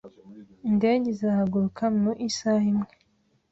Indege izahaguruka mu isaha imwe